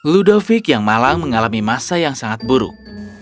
ludovic yang malang mengalami masa yang sangat buruk